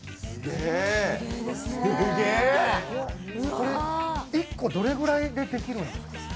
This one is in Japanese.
これ、１個どれぐらいでできるんですか？